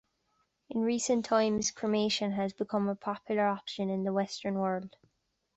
In recent times, cremation has become a popular option in the western world.